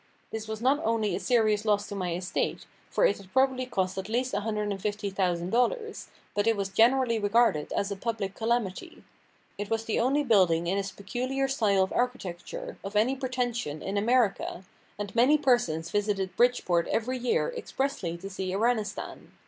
This was not only a serious loss to my estate, for it had probably cost at least $150,000, but it was generally regarded as a public calamity. It was the only building in its peculiar style of architecture, of any pretension, in America, and many persons visited Bridgeport every year expressly to see Iranistan.